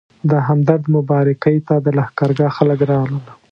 د همدرد مبارکۍ ته د لښکرګاه خلک راغلل.